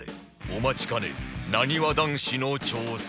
お待ちかねなにわ男子の挑戦